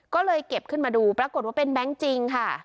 ก็เลยเก็บขึ้นมาดูปรากฏว่าเป็นแบงค์จริงค่ะ